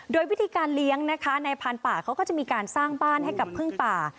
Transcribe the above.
โดยวิธีการเลี้ยงนะคะในพานป่าเขาก็จะมีการสร้างบ้านให้กับพึ่งป่า